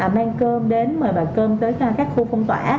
mang cơm đến mời bà cơm tới các khu phong tỏa